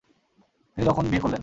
তিনি তখন বিয়ে করলেন।